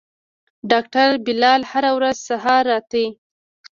ډاکتر بلال هره ورځ سهار راته.